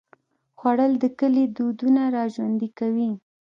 خوړل د کلي دودونه راژوندي کوي